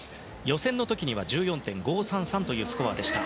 予選の時には１４．５３３というスコアでした。